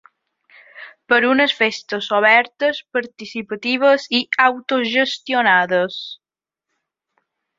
Per unes festes obertes, participatives i autogestionades!